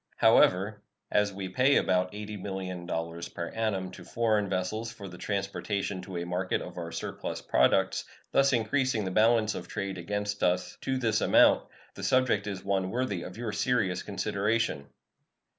However, as we pay about $80,000,000 per annum to foreign vessels for the transportation to a market of our surplus products, thus increasing the balance of trade against us to this amount, the subject is one worthy of your serious consideration.